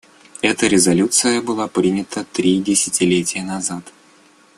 Эта резолюция была принята три десятилетия назад.